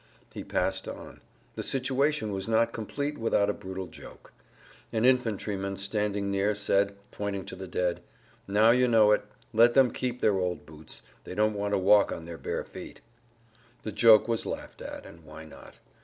He passed on. The situation was not complete without a brutal joke. An infantryman standing near said, pointing to the dead, "Now you know it; let them keep their old boots, they don't want to walk on their bare feet." The joke was laughed at. And why not?